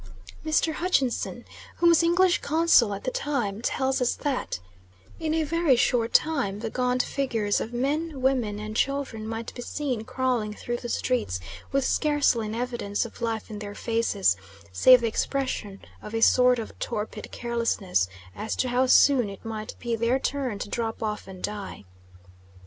Mr. Hutchinson, who was English Consul at the time, tells us that "In a very short time gaunt figures of men, women, and children might be seen crawling through the streets, with scarcely an evidence of life in their faces, save the expression of a sort of torpid carelessness as to how soon it might be their turn to drop off and die.